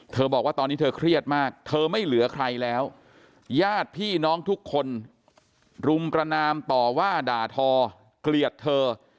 บอกว่าตอนนี้เธอเครียดมากเธอไม่เหลือใครแล้วญาติพี่น้องทุกคนรุมประนามต่อว่าด่าทอเกลียดเธอ